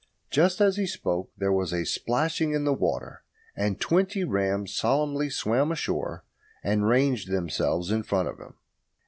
Just as he spoke there was a splashing in the water, and the twenty rams solemnly swam ashore and ranged themselves in front of him.